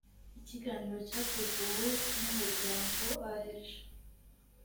ikiganiro cyateguwe n’umuryango aerg